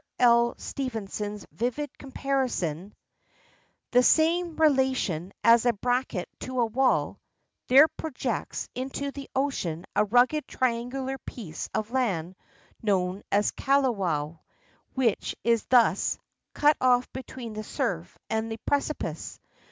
L. Stevenson's vivid comparison, "the same relation as a bracket to a wall," there projects into the ocean a rugged triangular piece of land known as Kalawao, which is thus "cut off between the surf and the preci pice."